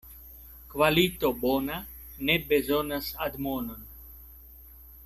Kvalito bona ne bezonas admonon.